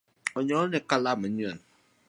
Onyiewne kalam manyien